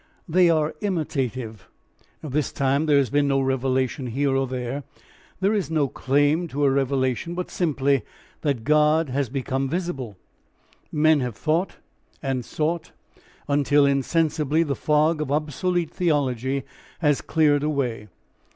They are imitative. This time there has been no revelation here or there; there is no claim to a revelation but simply that God has become visible. Men have thought and sought until insensibly the fog of obsolete theology has cleared away.